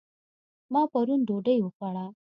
ما پرون ډوډۍ وخوړه